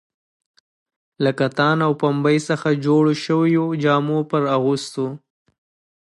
له کتان او پنبې څخه جوړو شویو جامو پر اغوستو.